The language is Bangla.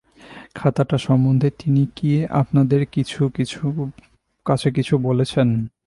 খাতাটা সম্বন্ধে তিনি কি আপনাদের কাছে কিছু বলেছেন?